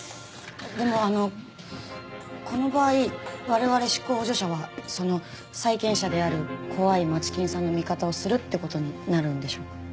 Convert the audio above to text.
でもあのこの場合我々執行補助者はその債権者である怖い街金さんの味方をするって事になるんでしょうか？